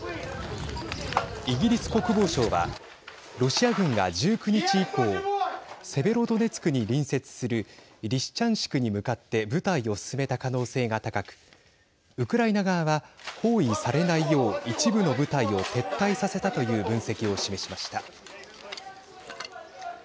イギリス国防省はロシア軍が１９日以降セベロドネツクに隣接するリシチャンシクに向かって部隊を進めた可能性が高くウクライナ側は包囲されないよう一部の部隊を撤退させたという分析を示しました。